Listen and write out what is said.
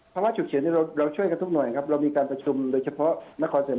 ภาวะฉุกเฉินนี้เราช่วยกันทุกหน่วยครับเรามีการประชุมโดยเฉพาะนครเสริม